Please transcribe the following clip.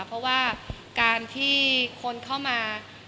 เพราะว่าการที่คนเข้ามา